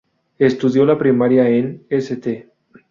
Estudió la primaria en St.